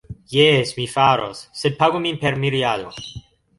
Jes, mi faros. Sed pagu min per miriado